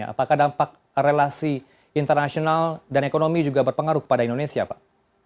apakah dampak relasi internasional dan ekonomi juga berpengaruh kepada indonesia pak